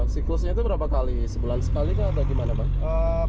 siklusnya itu berapa kali sebulan sekali atau bagaimana